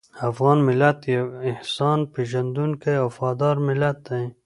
افغان ملت یو احسان پېژندونکی او وفاداره ملت دی.